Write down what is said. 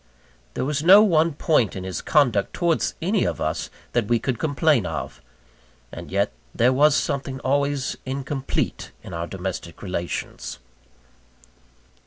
There was no one point in his conduct towards any of us that we could complain of; and yet there was something always incomplete in our domestic relations.